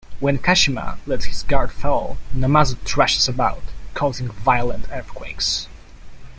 When Kashima lets his guard fall, Namazu thrashes about, causing violent earthquakes.